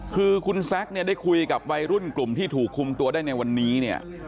คือคุณแซคเนี่ยได้คุยกับวัยรุ่นกลุ่มที่ถูกคุมตัวได้ในวันนี้เนี่ย